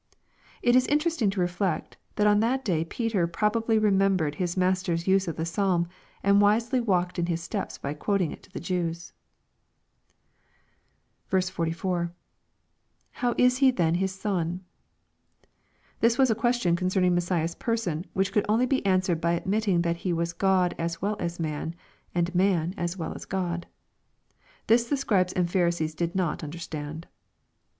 It is interesting to reflect, that on that day Peter probably remembered his Mas ter's use of the Psalm, and wisely walked in His steps by quoting it to the Jews. 44. — [Sow is Tie then his son?] This was a question concerning Messiah's person, which could only be answered by admitting that He was Grod as well as man, and man as well as GU)d. Tim the Scribes and Pharisees did not understand.